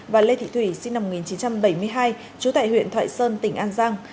và lê thị thủy sinh năm một nghìn chín trăm bảy mươi hai trú tại huyện thoại sơn tỉnh an giang